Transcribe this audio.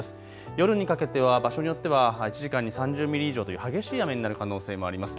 夜にかけては場所によっては１時間に３０ミリ以上という激しい雨になる可能性もあります。